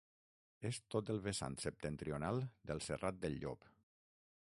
És tot el vessant septentrional del Serrat del Llop.